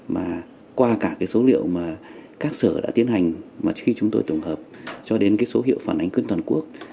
mà qua cả cái số liệu mà các sở đã tiến hành mà khi chúng tôi tổng hợp cho đến cái số hiệu phản ánh quyết toàn quốc